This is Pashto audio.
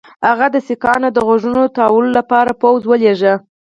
هغه د سیکهانو د غوږونو تاوولو لپاره پوځ ولېږه.